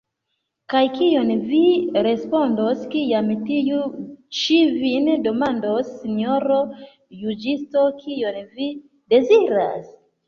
Kaj kion vi respondos, kiam tiu ĉi vin demandos sinjoro juĝisto, kion vi deziras?